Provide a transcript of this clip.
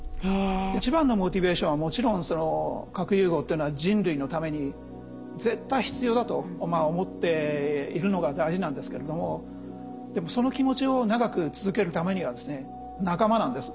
一番のモチベーションはもちろん核融合っていうのは人類のために絶対必要だと思っているのが大事なんですけれどもでもその気持ちを長く続けるためにはですね仲間なんです。